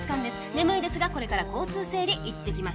眠いですがこれから交通整理行ってきます。